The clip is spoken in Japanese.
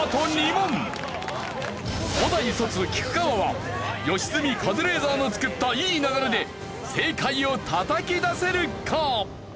菊川は良純カズレーザーの作ったいい流れで正解をたたき出せるか？